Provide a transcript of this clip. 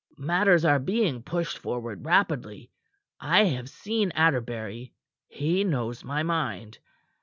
Matters are being pushed forward rapidly. I have seen Atterbury. He knows my mind.